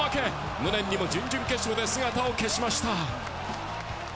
無念にも準々決勝で姿を消しました。